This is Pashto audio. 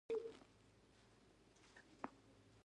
تور سوري قوي جاذبه لري.